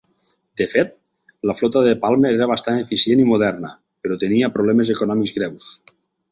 De fet, la flota de Palmer era bastant eficient i moderna, però tenia problemes econòmics greus.